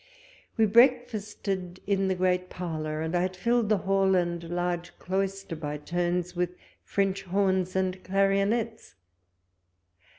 We breakfasted in the great parlour, and I had filled the hall and large cloister by turns with French horns and clarionettes.